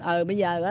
ờ bây giờ